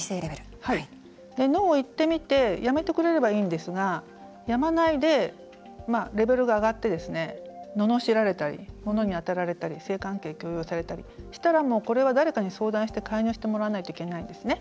ノーを言ってみてやめてくれればいいんですがやめないで、レベルが上がってののしられたり物に当たられたり性関係を強要されたりしたらこれは誰かに相談して介入してもらわないといけないですね。